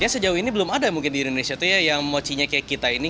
sejauh ini belum ada mungkin di indonesia itu ya yang mochinya kayak kita ini